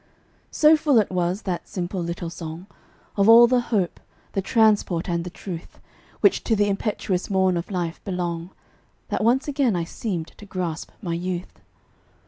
So full it was, that simple little song, Of all the hope, the transport, and the truth, Which to the impetuous morn of life belong, That once again I seemed to grasp my youth.